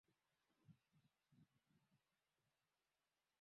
kweli Wiki kadhaa zilikuwa zimepita tangu ndege